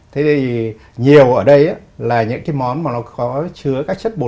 thế thì nhiều ở đây là những cái món mà nó có chứa các chất bột